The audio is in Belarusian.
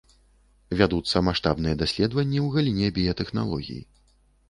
Вядуцца маштабныя даследаванні ў галіне біятэхналогій.